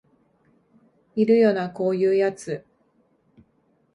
いるよなこういうやつ